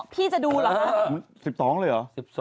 พี่จะดูหรือครับ